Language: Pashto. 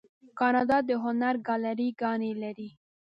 کاناډا د هنر ګالري ګانې لري.